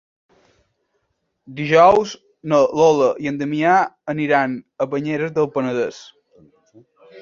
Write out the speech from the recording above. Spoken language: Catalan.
Dijous na Lola i en Damià aniran a Banyeres del Penedès.